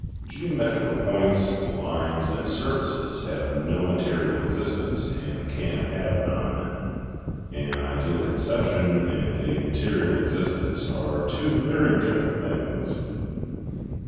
Geometrical points, lines, and surfaces, have no material existence and can have none. An ideal conception and a material existence are two very different things.